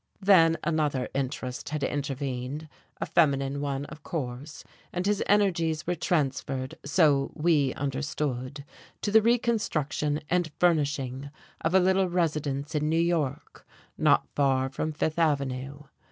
Then another interest had intervened; a feminine one, of course, and his energies were transferred (so we understood) to the reconstruction and furnishing of a little residence in New York, not far from Fifth Avenue.